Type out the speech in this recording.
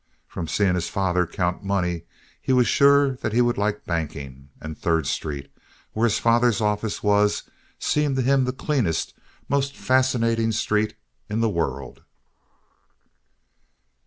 From seeing his father count money, he was sure that he would like banking; and Third Street, where his father's office was, seemed to him the cleanest, most fascinating street in the world.